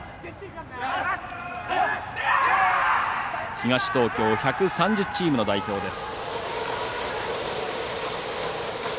東東京１３０チームの代表です。